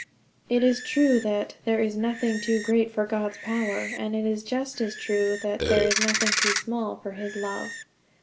It is true that "There is nothing too great for God's power"; and it is just as true that "There is nothing too small for his love!"